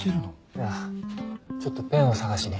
いやちょっとペンを捜しに。